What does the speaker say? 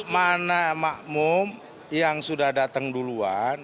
mana makmum yang sudah datang duluan